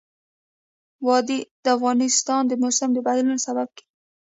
وادي د افغانستان د موسم د بدلون سبب کېږي.